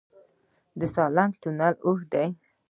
د سالنګ تونل اوږد دی